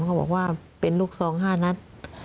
เขาบอกว่าเป็นลูกซอง๕นัด